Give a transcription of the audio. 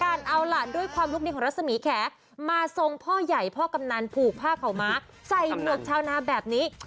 เอาล่ะด้วยความลูกดีของรัศมีแขมาทรงพ่อใหญ่พ่อกำนันผูกผ้าข่าวม้าใส่หมวกชาวนาแบบนี้